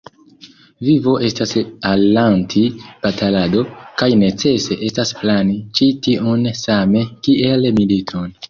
Vivo estas al Lanti batalado, kaj necese estas plani ĉi tiun same kiel militon.